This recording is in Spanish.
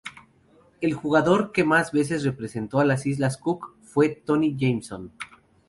El jugador que más veces representó a las Islas Cook fue Tony Jamieson.